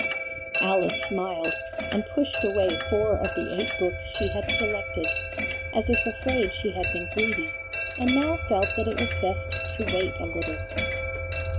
Alice smiled, and pushed away four of the eight books she had selected, as if afraid she had been greedy, and now felt that it was best to wait a little.